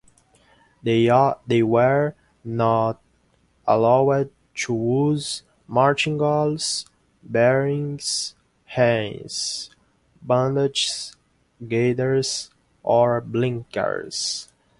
They were not allowed to use martingales, bearing reins, bandages, gaiters or blinkers.